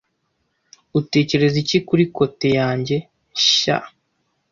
Utekereza iki kuri kote yanjye nshya?